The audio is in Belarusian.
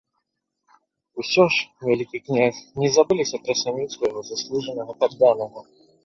Усё ж вялікі князь не забыліся пра сям'ю свайго заслужанага падданага.